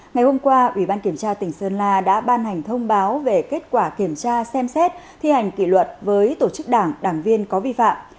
ngày hôm qua ủy ban kiểm tra tỉnh sơn la đã ban hành thông báo về kết quả kiểm tra xem xét thi hành kỷ luật với tổ chức đảng đảng viên có vi phạm